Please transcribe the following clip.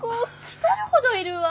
腐るほどいるわ。